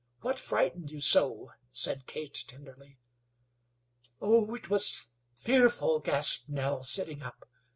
What frightened you so?" said Kate, tenderly. "Oh, it was fearful!" gasped Nell, sitting up.